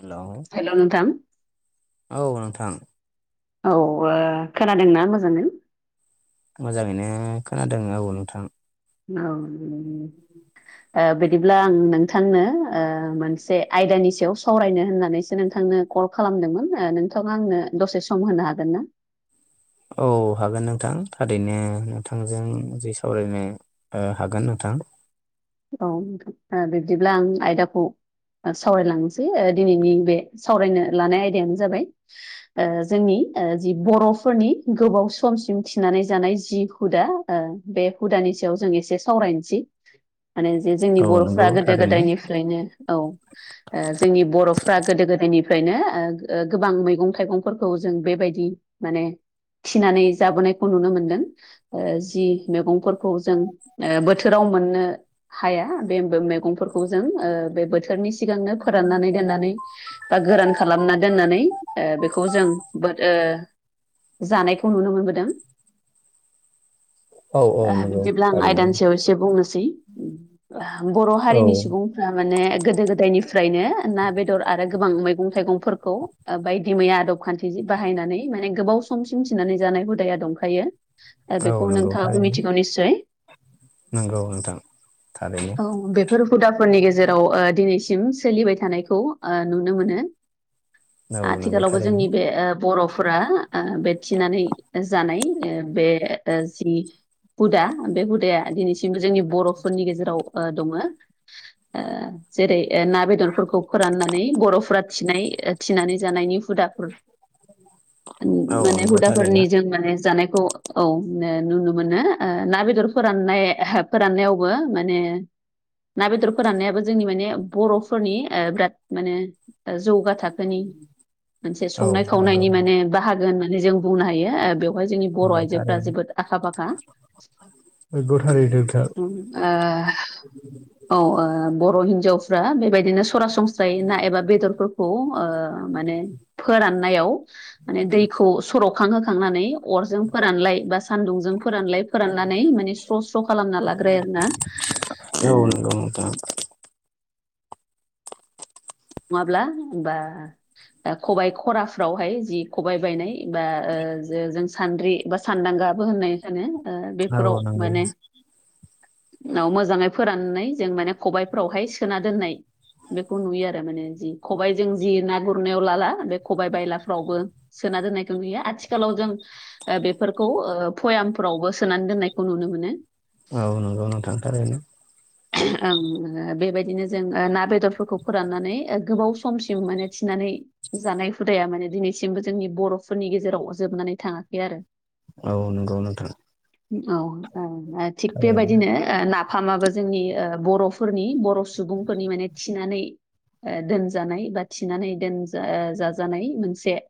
हेल' हेल' नोंथां औ नोंथां औ खोनादोंना मोजाङै मोजाङैनो खोनादों आबौ नोंथां औ बिदिब्ला आं नोंथांनो मोनसे आयदानि सायाव सावरायनो होननानैसो नोंथांनो कल खालामदोंमोन नोंथाङा आंनो दसे सम होनो हागोन ना औ हागोन नोंथां थारैनो नोंथांजों जि सावरायनो हागोन नोंथां औ बिदिब्ला आं आयदाखौ सावरायलांसै दिनैनि बे सावरायनो लानाय आयदायानो जाबाय जोंनि जि बर'फोरनि गोबाव समसिम थिनानै जानाय जि हुदा बे हुदानि सायाव जों एसे सावरायनोसै माने जे जोंनि औ बर'फ नंगौ गोदो थारैनो गोदायनिफ्रायनो औ जोंनि बर'फ्रा गोदो गोदायनिफ्रायनो गोबां मैगं थाइगंफोरखौ जों बेबायदि माने थिनानै जाबोनायखौ नुनो मोनदों जि मैगंफोरखौ जों बोथोराव मोननो हाया बे मैगंफोरखौ जों बे बोथोरनि सिगांनो फोराननानै दोननानै बा गोरान खालामनानै दोननानै बेखौ खौ जों जानायखौ नुनो मोनबोदों औ औ नंगौ बिदिब्ला आं थारैनो आयदानसेयाव एसे बुंनोसै बर' औ हारिनि सुबुं माने गोदो गोदायनिफ्रायनो ना बेदर आरो गोबां मैगं थाइगंफोरखौ बायदि मैया आदब खान्थि जि बाहायनानै माने गोबाव समसिम थिनानै जानाय हुदाया दंखायो ए औ नंगौ बेखौनथाबो थारैनो मिथिगौ निसय नंगौ नोंथां थारैनो औ बेफोर हुदाफोरनि गेजेराव दिनैसिम सोलिबाय थानायखौ नुनो मोनो औ नंगौ आथिखालावबो थारैनो जोंनि बे बर'फोरा बे थिनानै जानाय बे जि हुदा बे हुदाया दिनैसिमबो जोंनि बर'फोरनि गेजेराव दङ जेरै ना बेदरफोरखौ फोराननानै बर'फोरा थिनाय थिनानै जानायनि हुदाफोर औ माने नंगौ थारैनो हुदाफोरनि जों माने जानायखौ औ नुनो मोनो ना बेदर फोराननाय फोराननायावबो माने ना बेदर फोराननायाबो जोंनि माने बर'फोरनि बिराद माने जौगाथार मोनसे औ संनाय नंगौ खावनायनि माने बाहागो होननानै जों बुंनो हायो बे बेवहाय जोंनि बर' नंगौ आइजोफ्रा थारैनो जोबोद आखा फाखा गथारि दोगथा औ बर' हिनजावफ्रा बेबायदिनो सरासनस्रायै ना एबा बेदरफोरखौ माने फोराननायाव माने दैखौ सर'खांहोखांनानै अरजों फोरानलाय बा सानदुंजों फोरानलाय फोराननानै माने स्र' स्र' खालामना लाग्रो आरोना गं था नङाब्ला होमबा खबाइ खराफ्रावहाय जि खबाइ बायनाय बा जों सान्द्रि एबा सानदांगाबो होननाय सानो औ बेफोराव नंगौ माने मोजाङै फोराननानै जों माने खबाइफ्रावहाय सोना दोननाय बेखौ नुयो आरो आरोमाने जि खबाइजों जि ना गुरनायाव लाला बे खबायाइ बायलाफ्रावबो सोना दोननायखौ नुयो आथिखालाव जों बेफोरखौ पयामफ्रावबो सोनानै दोननायखौ नुनो मोनो औ नंगौ नों थांथारा ओं बेबायदिनो जों ना बेदरफोरखौ फोराननानै गोबाव समसिम माने थिनानै जानाय हुदाया माने दिनैसिमबो जोंनि बर'फोरनि गेजेराव जोबनानै थाङाखै आरो औ नंगौ नोंथां औ थिग थारैनो बेबायदिनो नाफामाबो जोंनि बर'फोरनि बर' सुबुंफोरनि माने थिनानै दोनजानाय बा थिनानै दोनज जाजानाय मोनसे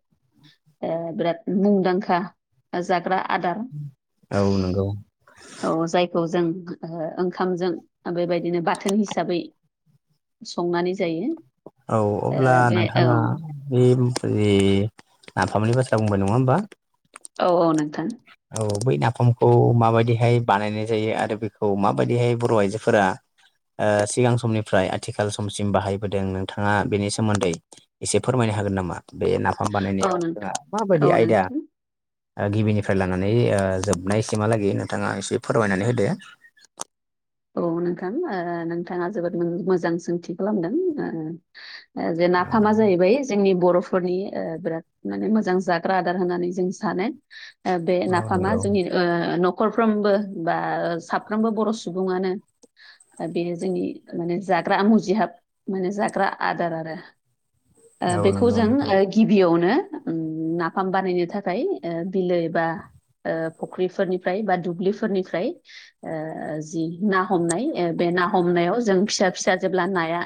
बिराद मुंदांखा जाग्रा आदार औ नंगौ औ जायखौ जों ओंखामजों बेबायदिनो बाथोन हिसाबै संनानै जायो औ ओ अब्ला बे औ नोंथाङा बे नाफामानि बाथ्रा बुंबाय नङा होमबा औ औ नोंथां औ बै नाफामखौ माबायदिहाय बानायनाय जायो आरो बेखौ माबायदिहाय बर' आइजोफोरा सिगां समनिफ्राय आथिखाल समसिम बाहायबोदों नोंथाङा बेनि सोमोन्दै एसे फोरमायनो हागोन नामा बे नाफाम औ बानायनायाव नोंथां जोंहा माबायदि औ आयदा नोंथां गिबिनिफ्राय लानानै जोबनायसिमहालागै नोंथाङा एसे फोरमायनानै होदो औ नोंथां नोंथाङा जोबोद मोजां सोंथि खालामदों जे औ नाफामा जाहैबाय जोंनि बर' फोरनि बिराद माने मोजां जाग्रा आदार होननानै जों सानो बे औ नाफामा नंगौ जोंनि न'खरफ्रोमबो बा साफ्रोमबो बर' सुबुङानो बेयो जोंनि माने जाग्रा मुजिहाब माने जाग्रा आदार आरो औ बेखौ नंगौ जों नोंथां गिबियावनो नाफाम बानायनो थाखाय बिलो एबा फुख्रिफोरनिफ्राय बा दुब्लिफोरनिफ्राय जि ना हमनाय बे ना हमनायाव जों फिसा फिसा जेब्ला नाया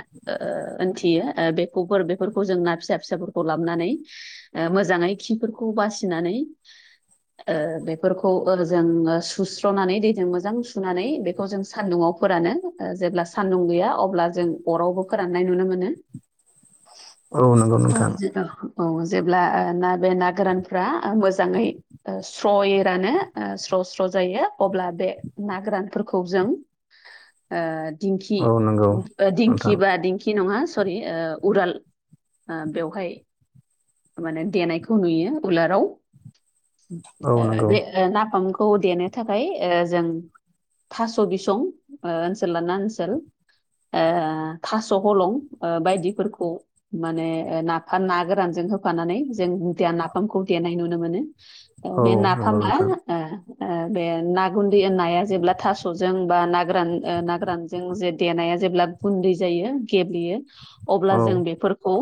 गयो बे बेफोरखौ जों ना फिसा फिसाफोरखौ लाबानै मोजाङै खिफोरखौ बासिनानै बेफोरखौ जों सुस्र'नानै दैजों मोजां सुनानै बे जों सान्दुंाव फोरानो जेब्ला सान्दुं गैया अब्ला जों अरावबो फोराननाय नुनो मोनो औ नंगौ नोंथां खज द औ जेब्ला ना बे ना गोरानफ्रा मोजाङै स्र'य रानो स्र' स्र' जायो अब्ला बे ना गोरान ज दि औ नंगौ नोंथां दिखि बा खि नङा सरि उराल बेवहाय माने देनायखौ नुयो उलाराव औ नंगौ बे नाफामखौ देनो थाखाय जों थास' बिसं ओ ओनसोल लाना ओनसोल ओ थास' हलं बायदिफोरखौ माने नाफाम ना गोरानजों होफानानै जों नाफामखौ देनाय नुनो मोनो औ बे नंगौ नाफामा नोंथां ओ ओ बे ना गुन्दै नाया जेब्ला थास'जों बा नागोरान ओ ना गोरानजों जे देनाया जेब्ला गुन्दै जायो गेब्लेयो अब्ला औ जों बेफोरखौ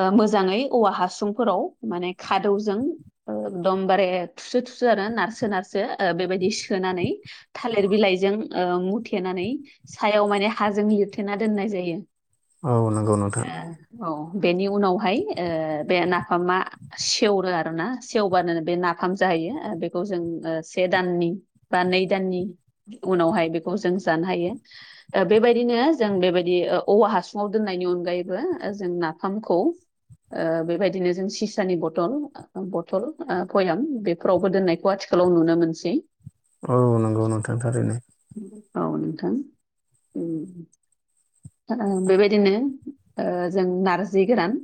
ओ मोजाङै औवा हासुंफोराव माने खादौजों एकदमबारे थुसो थुसु आरो नारसो नारसो बेबायदि सोनानै थालिर बिलाइजों ओ मुथेनानै सायाव माने हाजों लिरथेना दोननाय जायो औ नंगौ नोंथां आ औ बेनि उनावहाय ओ बे नाफामा सेवरो आर ना सेवबानो बे नाफाम जायो आरो बेखौ जों से दाननि बा नै दाननि उनावहाय बेखौ जों जानो हायो ओ बेबायदिनो जों बेबायदि ओ औवा हासुङाव दोननायनि अनगायैबो जों नाफामखौ ओ बेबायदिनो जों सिसानि बथल बथल फयाम बेफोरावबो दोननायखौ आथिखालाव नुनो मोनसै औ नंगौ नोंथां थारैनो औ नोंथां ओम बेबायदिनो ओ जों नारजि गोरान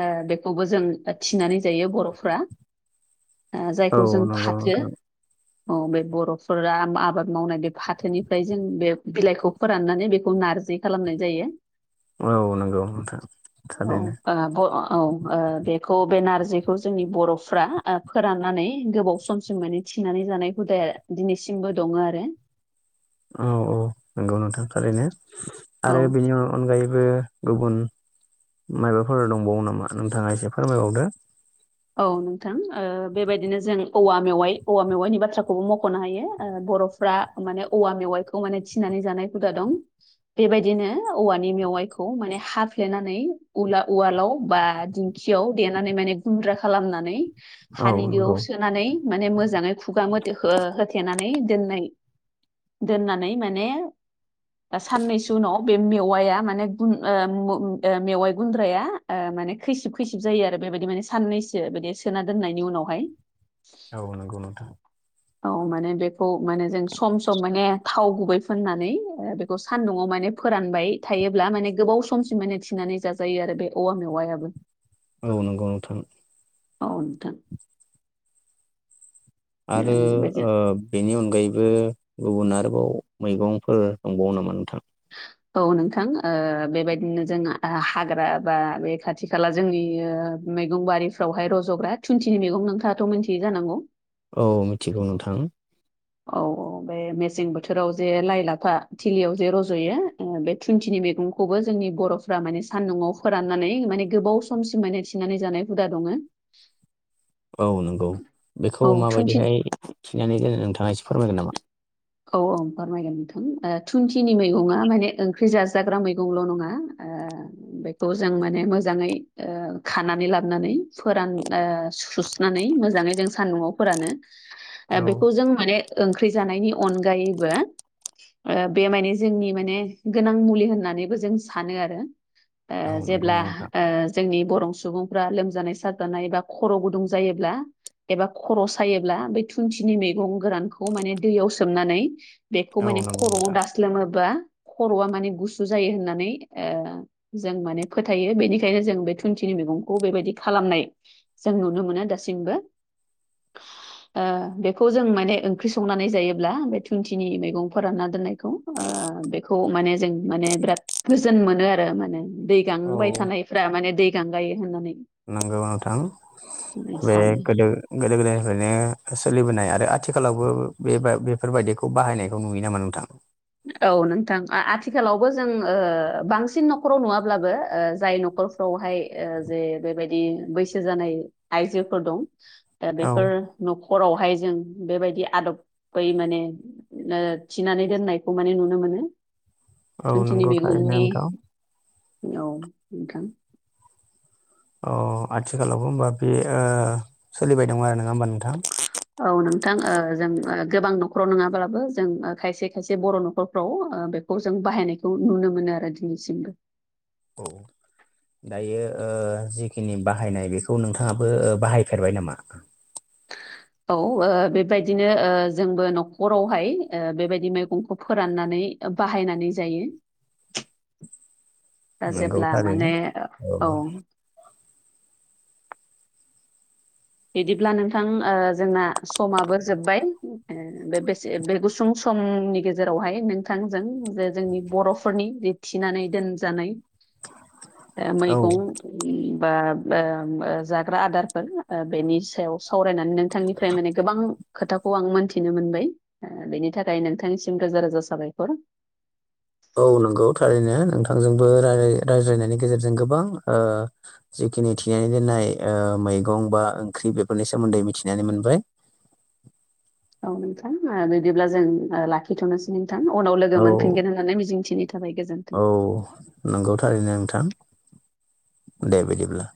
ओ बेखौबो जों थिनानै जायो बर'फ्रा ओ औ जायखौ जों नंगौ फाथो नोंथां औ बे बर'फोरा आबाद मावनाय बे फाथोनिफ्राय जों बे बिलाइखौ फोराननानै बेखौ नारजि खालामनाय जायो औ नंगौ नोंथां थारैनो आ अ औ बेखौ बे नारजिखौ जोंनि बर'फ्रा फोराननानै गोबाव सम सिम माने थिनानै जानाय हुदाया दिनैसिमबो दङ आरो औ औ नंगौ नोंथां थारैनो औ आरो बेनियाव अनगायैबो गुबुन माबाफोर दंबावो नामा नोंथाङा एसे फोरमायबावदो औ नोंथां ओ बेबायदिनो जों औवा मेवाइ औवा मेवाइनि बाथ्राखौबो मख'नो हायो बर'फ्रा माने औवा मेवाइखौ माने थिनानै जानाय हुदा दं बेबायदिनो औवानि मेवाइखौ माने हाफ्लेनानै उवा उवालाव बा दिंखियाव देनानै माने गुन्द्रा खालामनानै औ हानि नंगौ दुआव सो नानै माने मोजाङै खुगा मथ होथेनानै दोननाय दोननानै माने दा साननैसो उनाव बे मेवाआ माने गुन‌ ओ मु ओ मेवाइ गुन्द्राया माने खैसिब खैसिब जायो आरो बेबायदि माने साननैसो बिदि सोना दोननायनि उनावहाय औ नोंगौ नोंथां औ माने बेखौ माने जों सम सम माने थाव गुबै फुननानै बेखौ सान्दुंआव माने फोरानबाय थायोब्ला माने गोबाव समसिम माने थिनानै जाजोब जायो आरो बे औवा मेवाइआबो औ नंगौ नोंथां औ नोंथां ओ आरो बेजों ओ बेनि अनगायैबो गुबुन आरोबाव मैगंफोर दंबावो नामा नोंथां औ नोंथां ओ बेबायदिनो जों हाग्रा बा बे खाथि खाला जोंनि मैगं बारिफ्रावहाय रज'ग्रा थुुनथिनि मैगं नोंथाङाथ' मिथियै जानांगौ औ मिथिगौ नोंथां औ औ बे मेसें बोथोराव जे लाइ लाफा थिलियाव जे रज'यो ओ बे थुुनथिनि मैगं खौबो जोंनि बर'फ्रा माने सानदुंआव फोराननानै माने गोबाव समसिम माने थिनानै जानाय हुदा दङ औ नंगौ औ बेखौ थुनथि माबायदिहाय खिनानै दोनो नोंथाङासो फोरमायगोन नामा औ औ फोरमायगोन नोंथां थुुनथिनि मैगङा माने ओंख्रि जाजाग्रा मैगंल' नङा बेखौ जों माने मोजाङै खानानै लाबोनानै फोरान सुस नानै मोजाङै जों सान्दुंआव फोरानो औ बेखौ जों मान ओंख जानायनि अनगायैबो बे माने जोंनि माने गोनां मुलि होननानैबो जों सानो आरो औ नंगौ जेब्ला नोंथां जोंनि बर' सुबुंफ्रा लोमजानाय साजानाय एा खर' गुदुं जायोब्ला एबा खर' सायोब्ला बै थुुनथिनि मैगं गोरानखौ माने दैयाव स सोमनानै बेखौ औ माने नंगौ खर'आव नोंथां दास्लोमोबा खर'आ माने गुसु जायो होननानै जों माने फोथायो बेनिखायनो जों बे थुुनथिनि मैगंखौ बेबायदि खालामनाय जों नुनो मोनो दासिमबो बेखौ जों माने ओंख्रि संनानै जायो बे थुुनथिनि मैगंफोरा ना दोननायखौ बेखौ माने जों माने बिराद गोजोन मोनो आरो माने दै औ गांबाय थानायफ्रा माने दै गांांगायो होननानै नांगौाव थां बे सानो गोदो गोदो गोदायनिफ्रायनो सोलिबोनाय आरो आथिखालावबो बे बेफोरबायदिखौ बाहायनायखौ नुयो नामा नोंथां औ नोंथां आथिखालावबो जों बांसिन न'खराव नुवाब्लाबो जाय न'खर फावहाय जे बेबायदि बैसो जानाय आइजोफोर दं दा औ बेफोर न'खरावहाय जों बेबायदि आदबै माने थिनानै दोननाय माने नुनो मोनो औ जोंथिनि नंगौ थारैनो मैगंनि नोंथां औ नोंथां अ आथिखालावबो होमबा बे सोलिबाय दं आरो नङा होमबा नोंथाङा औ नोंथां जों गोबां न'खराव नङाब्लाबो जों खायसे खायसे बर' न'खरफ्राव बे खौ जों बाहायनायखौ नुनो मोनो आरो दिनैसिमबो औ दायो जिखिनि बाहायनाय बेखौ नोंथाङाबो बाहायफेरबाय नामा औ बेबायदिनो जोंबो न'खरावहाय बेबायदि मैगंखौ फोराननानै बाहायनानै जायो नंगौ जेब्ला थारैनो माने औ बिदिब्ला नोंथां जोंना समाबो जोब्बाय बेसे बे गुसुं समनि गेजेरावहाय नोंथांजों जे जोंनि बर'फोरनि जे थिनानै दोनजानाय औ मैगं बा जाग्रा आदारफोर बेनि सायाव सावरायनानै नोंथांनिफ्राय माने गोबां खोथाखौ आं मोनथिनो मोनबाय बेनि थाखाय नोंथांनिसिम रोजा रोजा साबायखर औ नंगौ थारैनो नोंथांजोंबो रायज्लायनायनि गेजेरजों गोबां जिखिनि थिनानै दोननाय मैगं बा ओंख्रि बेफोरनि सोमोन्दै मिथिनानै मोनबाय औ नोंथां बिदिब्ला जों लाखिथ'नोसै नोंथां उनाव लोगो औ मोनफिनगोन मिजिंथिनि थाखाय गोजोन औ नंगौ थारैनो नोंथां दे बिदिब्ला